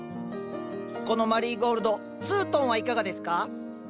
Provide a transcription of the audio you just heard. このマリーゴールドツートンはいかがですか？